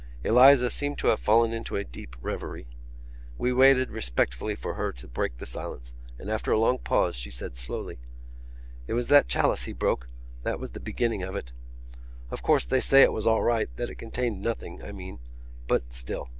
Eliza seemed to have fallen into a deep revery. We waited respectfully for her to break the silence: and after a long pause she said slowly: "It was that chalice he broke.... That was the beginning of it. Of course, they say it was all right, that it contained nothing, I mean. But still....